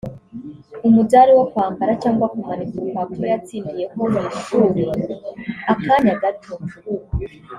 umudali wo kwambara cyangwa kumanika urupapuro yatsindiyeho mu shuri akanya gato